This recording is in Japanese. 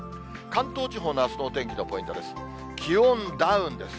関東地方のあすのお天気のポイントです。